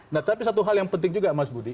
nah tapi satu hal yang penting juga mas budi